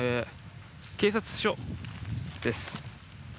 警察署です。